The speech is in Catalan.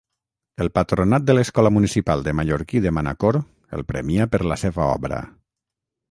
El Patronat de l'Escola Municipal de Mallorquí de Manacor el premià per la seva obra.